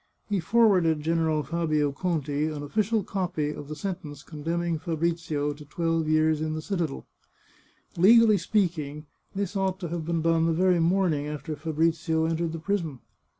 He forwarded General Fabio Conti an official copy of the sentence condemning Fabrizio to twelve years in the citadel. Legally speaking, this ought to have 357 The Chartreuse of Parma been done the very morning after Fabrizio entered the prison.